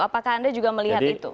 apakah anda juga melihat itu